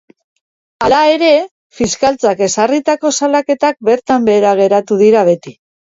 Hala ere, Fiskaltzak ezarritako salaketak bertan behera geratu dira beti.